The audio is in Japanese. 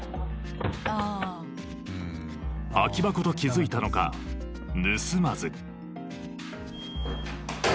空き箱と気づいたのか盗まず。